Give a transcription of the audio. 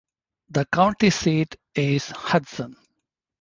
The county seat is Hudson.